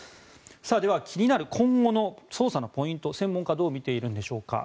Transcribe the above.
では、気になる今後の捜査のポイント専門家はどう見ているのでしょうか。